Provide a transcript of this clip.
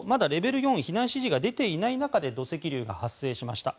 ４避難指示が出ていないところで土石流が発生しました。